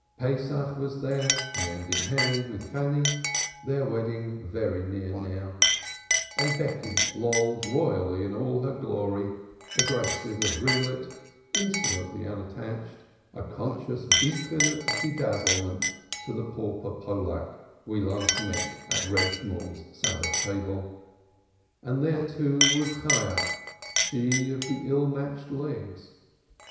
Pesach was there, hand in hand with Fanny, their wedding very near now; and Becky lolled royally in all her glory, aggressive of ringlet, insolently unattached, a conscious beacon of bedazzlement to the pauper Pollack we last met at Reb Shemuel's Sabbath table, and there, too, was Chayah, she of the ill matched legs.